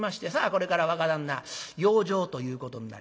これから若旦那養生ということになります。